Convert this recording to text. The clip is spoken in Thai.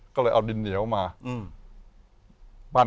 ก็เลยเอาดินเหนียวมา